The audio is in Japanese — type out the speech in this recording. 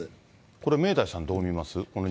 これ、明大さん、どう見ます？